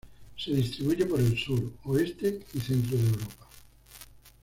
Se distribuye por el sur, oeste y centro de Europa.